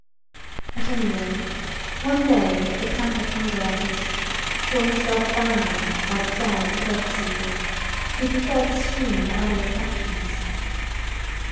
At any rate, one day the pampered hunger artist saw himself abandoned by the crowd of pleasure seekers, who preferred to stream to other attractions.